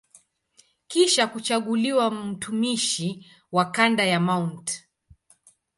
Kisha kuchaguliwa mtumishi wa kanda ya Mt.